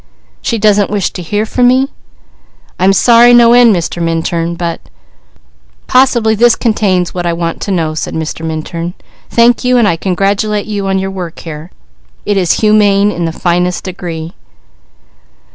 "She doesn't wish to hear from me?" "I'm sorry no end, Mr. Minturn, but " "Possibly this contains what I want to know," said Mr. Minturn. "Thank you, and I congratulate you on your work here. It is humane in the finest degree."